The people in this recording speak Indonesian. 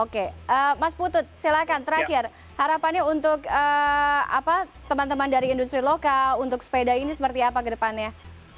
oke mas putut silakan terakhir harapannya untuk teman teman dari industri lokal untuk sepeda ini seperti apa ke depannya